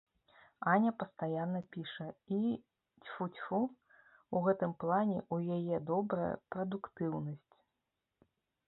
Аня пастаянна піша, і, цьфу-цьфу, у гэтым плане ў яе добрая прадуктыўнасць.